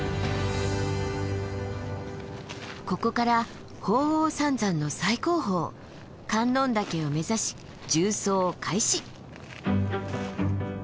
ここから鳳凰三山の最高峰観音岳を目指し縦走開始。